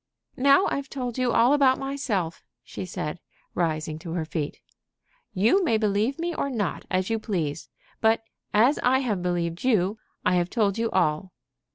"Now I've told you all about myself," she said, rising to her feet. "You may believe me or not, as you please; but, as I have believed you, I have told you all."